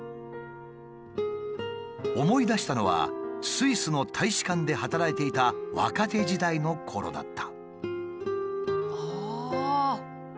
思い出したのはスイスの大使館で働いていた若手時代のころだった。